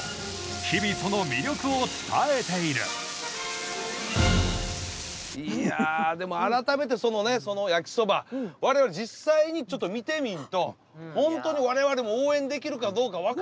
日々その魅力を伝えているいやでも改めてそのね焼きそば我々実際にちょっと見てみんとホントに我々も応援できるかどうか分かれへんもんで。